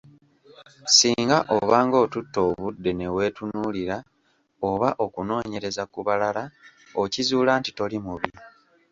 Singa obanga otutte obudde neweetunuulira oba okunoonyereza ku balala okizuula nti toli bubi.